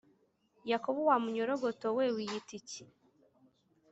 yakobo wa munyorogotowe wiyita iki